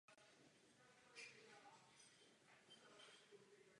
Nejvíce druhů se vyskytuje v Asii a Africe.